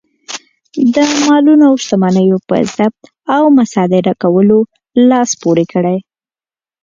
د مالونو او شتمنیو په ضبط او مصادره کولو لاس پورې کړ.